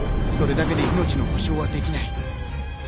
それだけで命の保証はできない。